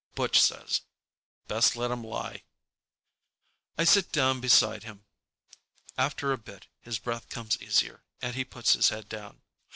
Butch says, "Best let him lie." I sit down beside him. After a bit his breath comes easier and he puts his head down.